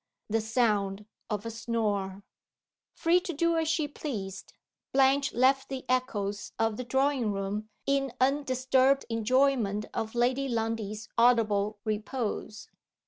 the sound of a Snore. Free to do as she pleased, Blanche left the echoes of the drawing room in undisturbed enjoyment of Lady Lundie's audible repose.